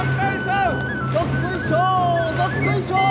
どっこいしょー！